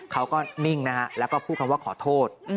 เขาก็นิ่งนะฮะแล้วก็พูดคำว่าขอโทษ